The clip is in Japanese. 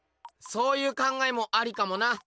そういう考えもありかもな。